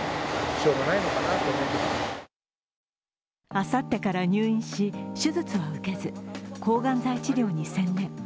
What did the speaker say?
あさってから入院し、手術は受けず抗がん剤治療に専念。